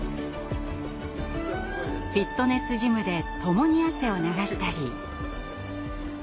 フィットネスジムで共に汗を流したり。